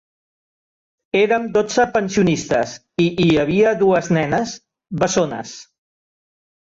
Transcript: Érem dotze pensionistes, i hi havia dues nenes, bessones.